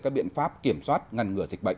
các biện pháp kiểm soát ngăn ngừa dịch bệnh